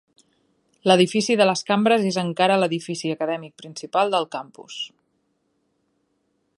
L'Edifici de les Cambres és encara l'edifici acadèmic principal del campus.